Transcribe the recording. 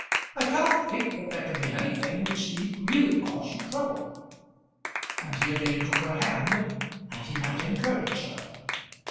I cannot think that there can be anything which need really cause you trouble." And he again took her hand, that he might encourage her.